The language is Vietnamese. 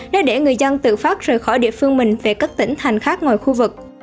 để người dân tự phát rời khỏi địa phương mình về các tỉnh thành khác ngoài khu vực